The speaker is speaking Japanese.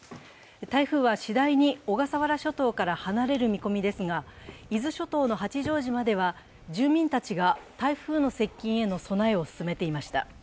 台風は次第に小笠原諸島から離れる見込みですが、伊豆諸島の八丈島では住民たちが台風の接近への備えを進めていました。